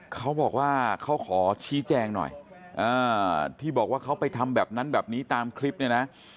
เขาบอกว่าเขาขอชี้แจงหน่อยที่บอกว่าเขาไปทำแบบนั้นแบบนี้ตามคลิปเนี่ยนะ